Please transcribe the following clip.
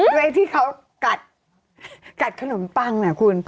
ไอ้ที่เขากัดขนมปังนะคุณ